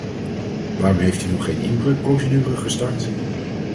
Waarom heeft u nog geen inbreukprocedure gestart?